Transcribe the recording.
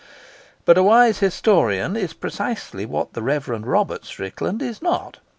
But a wise historian is precisely what the Rev. Robert Strickland is not.